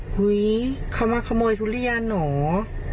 หรือเขามาขโมยทุเรียนหรอ